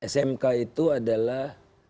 smk itu adalah